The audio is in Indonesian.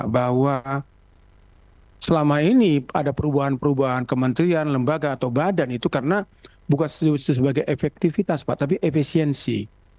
bahwa selama ini ada perubahan perubahan kementerian lembaga atau badan itu karena bukan sebagai efektivitas pak tapi efisiensi